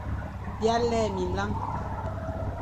B îa lè minlañ.